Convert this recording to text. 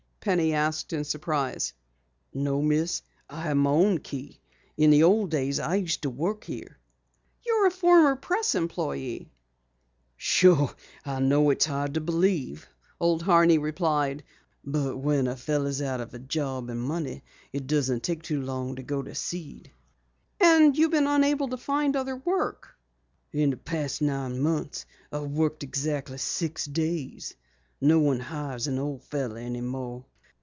Penny asked in surprise. "No, Miss. I have my own key. In the old days I used to work here." "You're a former Press employee?" "Sure, I know it's hard to believe," Old Horney replied, "but when a fellow's out of a job and money, it doesn't take long to go to seed. I lost my place when Judson closed down." "And you've been unable to find other work?" "In the past nine months I've worked exactly six days. No one hires an old fellow any more.